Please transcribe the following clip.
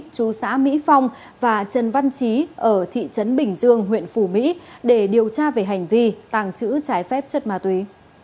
chú xã mỹ phong và trần văn trí ở thị trấn bình dương huyện phù mỹ để điều tra về hành vi tàng trữ trái phép chất ma túy